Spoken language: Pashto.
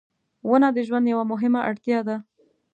• ونه د ژوند یوه مهمه اړتیا ده.